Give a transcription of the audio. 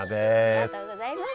ありがとうございます。